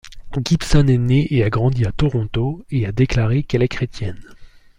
Gibson est née et a grandi à Toronto, et a déclaré qu'elle est chrétienne.